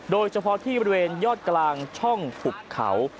โดยเฉพาะที่บริเวณยอดกลางช่องหุบเขา